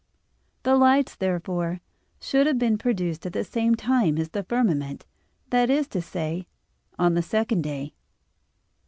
The lights, therefore, should have been produced at the same time as the firmament, that is to say, on the second day.